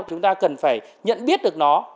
chúng ta cần phải nhận biết được nó